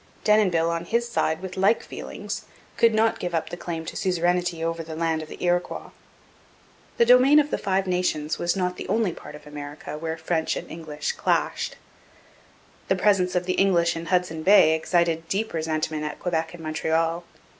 Denonville, on his side, with like feelings, could not give up the claim to suzerainty over the land of the Iroquois. The domain of the Five Nations was not the only part of America where French and English clashed. The presence of the English in Hudson Bay excited deep resentment at Quebec and Montreal.